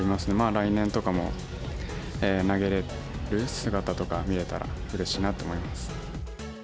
来年とかも、投げる姿とか見れたらうれしいなと思います。